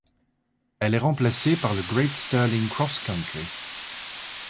Elle est remplaçée par le Great Stirling Cross Country.